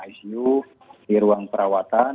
icu di ruang perawatan